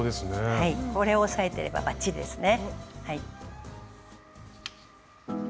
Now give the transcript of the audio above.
はいこれを押さえてればバッチリですね。